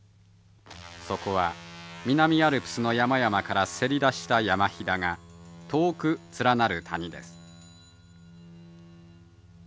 そこは南アルプスの山々からせり出した山ひだが遠く連なる谷です。